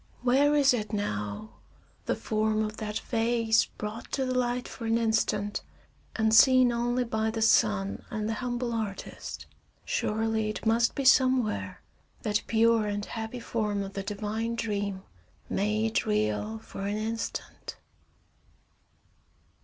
Where is it now, the form of that vase brought to the light for an instant, and seen only by the sun and the humble artist? Surely, it must be somewhere, that pure and happy form of the divine dream, made real for an instant!